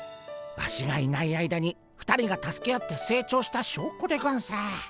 ワシがいない間に２人が助け合って成長したしょうこでゴンス。